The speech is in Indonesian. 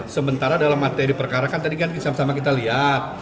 sementara dalam materi perkara kan tadi kan kita lihat